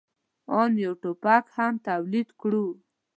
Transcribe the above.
آن یو ټوپک هم تولید کړو.